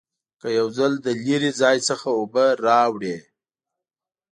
که یو ځل له لرې ځای څخه اوبه راوړې.